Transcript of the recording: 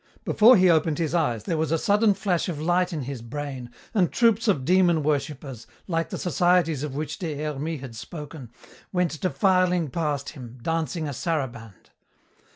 Before he opened his eyes there was a sudden flash of light in his brain, and troops of demon worshippers, like the societies of which Des Hermies had spoken, went defiling past him, dancing a saraband.